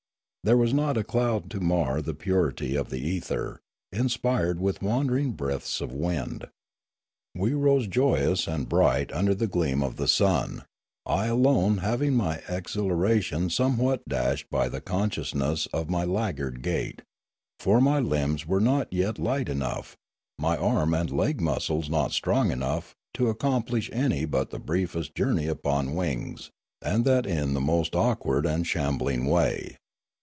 There was not a cloud to mar the purity of the ether, inspired with wandering breaths of wind. We rose joyous and bright under the gleam of the sun, I alone having my exhilaration somewhat dashed by Journey to the Valley of Memories 55 the consciousness of my laggard gait; for my limbs were not yet light enough, my arm and leg muscles not strong enough, to accomplish any but the briefest journey upon wings, and that in the most awkward and shambling way.